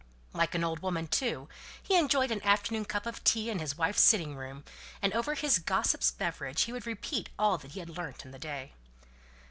Like an old woman, too, he enjoyed an afternoon cup of tea in his wife's sitting room, and over his gossip's beverage he would repeat all that he had learnt in the day.